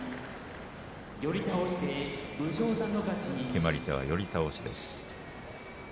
決まり手は寄り倒しです。